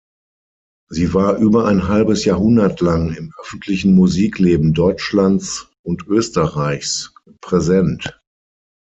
Sie war über ein halbes Jahrhundert lang im öffentlichen Musikleben Deutschlands und Österreichs präsent.